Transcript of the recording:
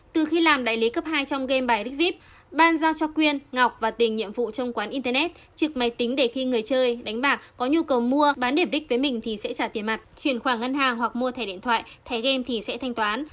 từ khi làm đại lý cấp hai trong game bài rigvip ban giao cho quyên ngọc và tình nhiệm vụ trong quán internet trực máy tính để khi người chơi đánh bạc có nhu cầu mua bán điểm đích với mình thì sẽ trả tiền mặt chuyển khoản ngân hàng hoặc mua thẻ điện thoại thẻ game thì sẽ thanh toán